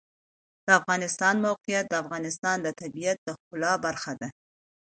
د افغانستان د موقعیت د افغانستان د طبیعت د ښکلا برخه ده.